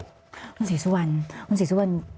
คนศรีสุวรรณ